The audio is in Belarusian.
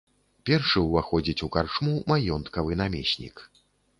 Першы ўваходзіць у карчму маёнткавы намеснік.